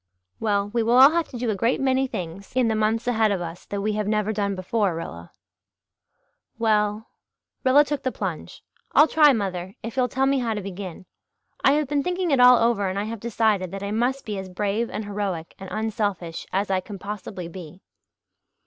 "We will all have to do a great many things in the months ahead of us that we have never done before, Rilla." "Well" Rilla took the plunge "I'll try, mother if you'll tell me how to begin. I have been thinking it all over and I have decided that I must be as brave and heroic and unselfish as I can possibly be."